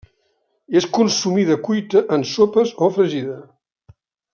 És consumida cuita en sopes o fregida.